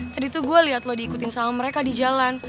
tadi tuh gue lihat lo diikutin sama mereka di jalan